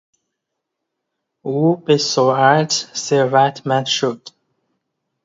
او به سرعت ثروتمند شد.